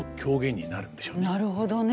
なるほどね。